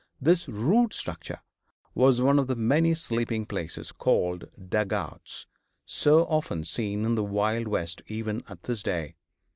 This rude structure was one of the many sleeping places called "dugouts," so often seen in the wild West even at this day.